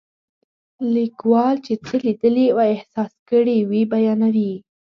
لیکوال چې څه لیدلي او احساس کړي وي بیانوي.